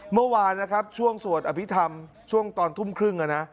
เมื่อวานนะครับช่วงสวดอภิษฐรรมช่วงตอนทุ่มครึ่ง